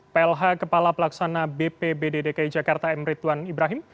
plh kepala pelaksana bp bddki jakarta m ritwan ibrahim